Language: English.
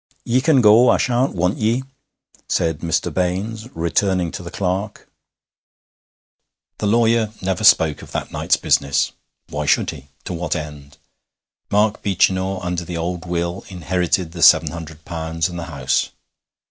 'Ye can go; I shan't want ye,' said Mr. Baines, returning to the clerk. The lawyer never spoke of that night's business. Why should he? To what end? Mark Beechinor, under the old will, inherited the seven hundred pounds and the house.